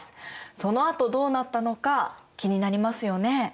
そのあとどうなったのか気になりますよね。